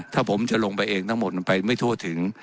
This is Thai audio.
ถ้าผมจะลงไปเองทั้งหมดมันไปไม่ทั่วถึง